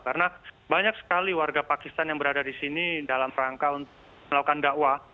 karena banyak sekali warga pakistan yang berada di sini dalam rangka untuk melakukan dakwah